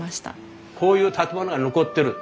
こういう建物が残ってる。